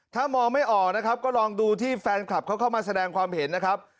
ถ้ามองไม่ออกนะครับก็ลองดูที่แฟนคลับเขาเข้ามาแสดงความเห็นนะครับ